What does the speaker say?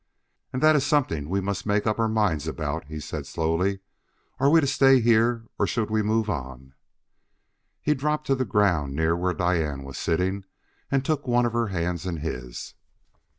"And that is something we must make up our minds about," he said slowly: "are we to stay here, or should we move on?" He dropped to the ground near where Diane was sitting, and took one of her hands in his.